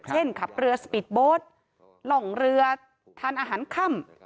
เช่นขับเรือสปีดโบสต์หล่องเรือทานอาหารค่ำ